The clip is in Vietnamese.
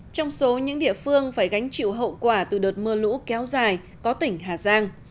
trong số những địa phương phải gánh chịu hậu quả từ đợt mưa lũ kéo dài có tỉnh hà giang